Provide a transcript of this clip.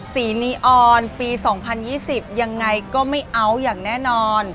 ศรีนีออนปี๒๐๒๐ยังไงก็ไม่เอาอย่างแน่นอน